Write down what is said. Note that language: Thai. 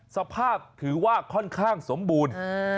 สภาพถือว่าค่อนข้างสมบูรณ์